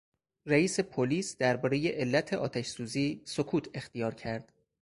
رییس پلیس دربارهی علت آتش سوزی سکوت اختیار کرد.